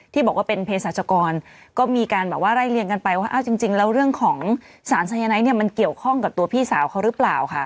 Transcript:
ที่บอกว่าเป็นเพศรัชกรก็มีการแบบว่าไล่เลี่ยงกันไปว่าจริงแล้วเรื่องของสารสายไนท์เนี่ยมันเกี่ยวข้องกับตัวพี่สาวเขาหรือเปล่าค่ะ